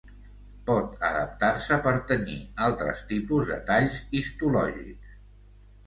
Pot adaptar-se per tenyir altres tipus de talls histològics.